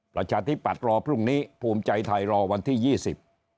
ประชาธิปัตย์รอพรุ่งนี้ภูมิใจไทยรอวันที่ยี่สิบ